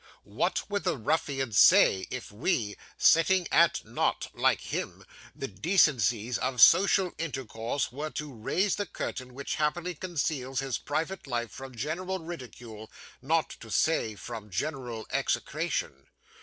What would the ruffian say, if we, setting at naught, like him, the decencies of social intercourse, were to raise the curtain which happily conceals His private life from general ridicule, not to say from general execration?